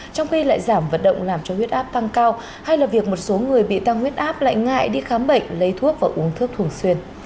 trong khi lại giảm vận động làm cho huyết áp tăng cao hay là việc một số người bị tăng huyết áp lại ngại đi khám bệnh lấy thuốc và uống thuốc thường xuyên